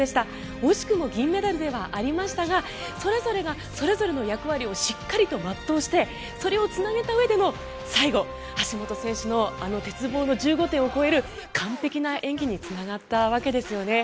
惜しくも銀メダルではありましたがそれぞれがそれぞれの役割をしっかりと全うしてそれをつなげたうえでの最後、橋本選手のあの１５点を超える鉄棒の完璧な演技につながったわけですよね。